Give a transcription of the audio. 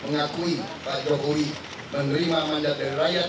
mengakui pak jokowi menerima mandat dari rakyat